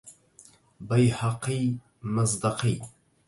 بيهقي مزدقي